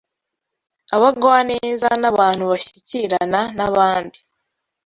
abagwaneza, n’abantu bashyikirana n’abandi